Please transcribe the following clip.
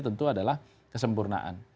tentu adalah kesempurnaan